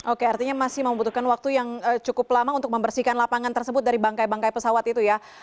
oke artinya masih membutuhkan waktu yang cukup lama untuk membersihkan lapangan tersebut dari bangkai bangkai pesawat itu ya